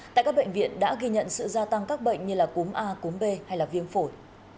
tại các bệnh viện đã ghi nhận sự gia tăng các bệnh như cúm a cúm b hay viêm phổi